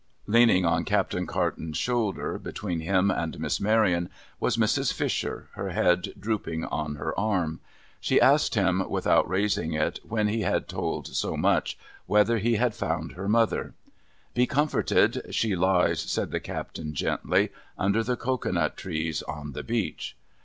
Leaning on Captain Carton's shoulder, between him and Miss Maryon, was Mrs. Fisher, her head drooping on her arm. She asked him, without raising it, when he had told so much, whether he had found her mother ?' Be comforted ! She lies,' said the Captain gently, ' under the cocoa nut trees on the beach.'